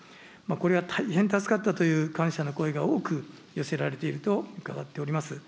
これは大変助かったという感謝の声が多く寄せられていると伺っております。